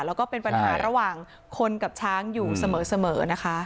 แล้วก็เป็นปัญหาระหว่างคนกับช้างอยู่เสมอนะคะ